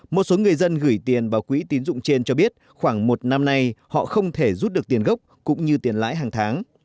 một số người dân gửi tiền vào quỹ tín dụng trên cho biết khoảng một năm nay họ không thể rút được tiền gốc cũng như tiền lãi hàng tháng